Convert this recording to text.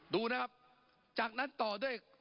ดูนะครับจากนั้นต่อด้วย